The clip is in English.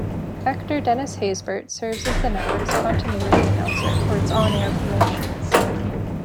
Actor Dennis Haysbert serves as the network's continuity announcer for its on-air promotions.